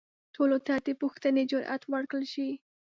ټولو ته د پوښتنې جرئت ورکړل شي.